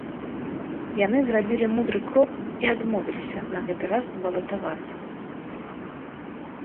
Яны зрабілі мудры крок і адмовіліся на гэты раз балатавацца.